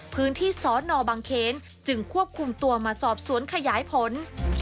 พื้นที่สนบังเขนจึงควบคุมตัวมาสอบสวนขยายผล